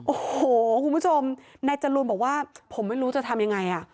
โอ้โหคุณผู้ชมนายจรูนบอกว่าผมไม่รู้จะทำยังไงอ่ะ